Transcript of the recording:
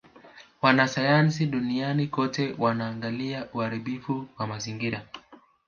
Wanasayansi duniani kote wanaangalia uharibifu wa mazingira